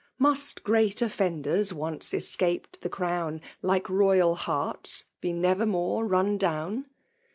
Must great oSbnden, once escaped the crown, like royal harts, be never more run down